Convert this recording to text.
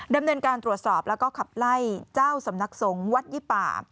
ดำเนินการตรวจสอบแล้วก็ขับไล่เจ้าสำนักสงฆ์วัดยี่ป่า